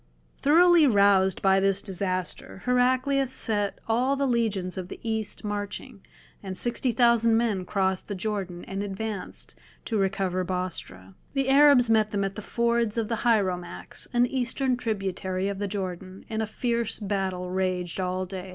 Thoroughly roused by this disaster Heraclius set all the legions of the East marching, and sixty thousand men crossed the Jordan and advanced to recover Bostra. The Arabs met them at the fords of the Hieromax, an Eastern tributary of the Jordan, and a fierce battle raged all day.